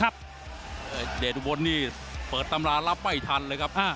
เดทบนเปิดตำรารับไว้ทันเลยครับ